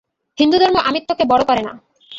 হিন্দুধর্ম আমিত্বকে বড় করে না।